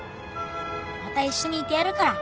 また一緒にいてやるから。